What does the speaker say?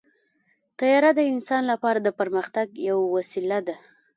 طیاره د انسان لپاره د پرمختګ یوه وسیله ده.